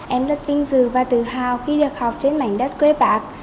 em rất vinh dự và tự hào khi được học trên mảnh đất quê bạc